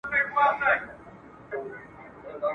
چي ورور مي د خورلڼي ناوکۍ د پلو غل دی ..